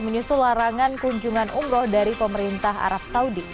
menyusul larangan kunjungan umroh dari pemerintah arab saudi